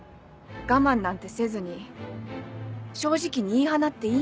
我慢なんてせずに正直に言い放っていいんです。